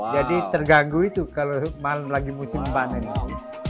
jadi terganggu itu kalau malam lagi musim panas